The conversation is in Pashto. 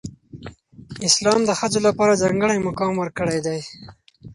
اسلام د ښځو لپاره ځانګړی مقام ورکړی دی.